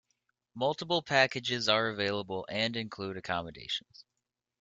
Multiple packages are available and include accommodations.